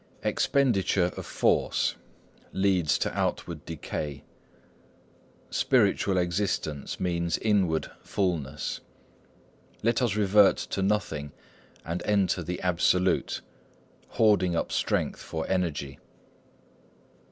"Expenditure of force leads to outward decay, Spiritual existence means inward fulness. Let us revert to Nothing and enter the Absolute, Hoarding up strength for Energy.